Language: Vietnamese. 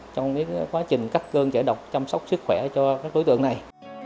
trong quá trình cắt cơn trẻ độc chăm sóc sức khỏe cho các đối tượng này